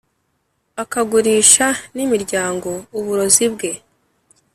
akagurisha n’imiryango uburozi bwe